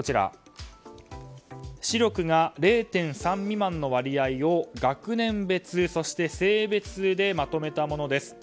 視力が０．３未満の割合を学年別そして性別でまとめたものです。